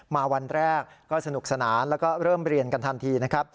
วันแรกก็สนุกสนานแล้วก็เริ่มเรียนกันทันทีนะครับ